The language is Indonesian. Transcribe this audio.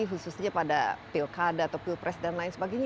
khususnya pada pilkada atau pilpres dan lain sebagainya